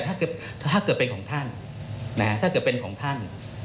แต่ถ้าเกิดเป็นของท่าน